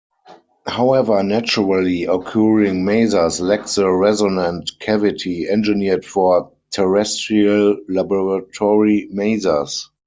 However, naturally occurring masers lack the resonant cavity engineered for terrestrial laboratory masers.